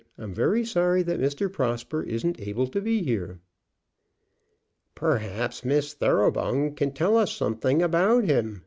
I'm very sorry that Mr. Prosper isn't able to be here." "Perhaps Miss Thoroughbung can tell us something about him?"